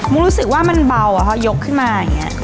รู้สึกว่ามันเบาอะค่ะยกขึ้นมาอย่างนี้